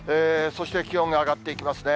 そして気温が上がっていきますね。